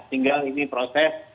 sehingga ini proses